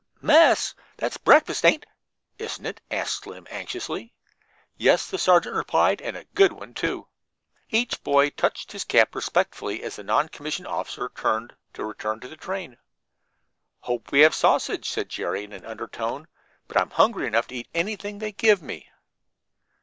"Mess? That's breakfast, ain't isn't it?" asked Slim anxiously. "Yes," the sergeant replied, "and a good one, too." Each boy touched his cap respectfully as the non commissioned officer turned to return to the train. "Hope we have sausage," said Jerry in an undertone; "but I'm hungry enough to eat anything they give me."